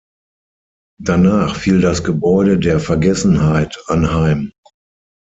Danach fiel das Gebäude der Vergessenheit anheim.